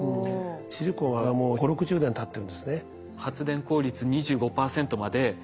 シリコンはもう５０６０年たってるんですね。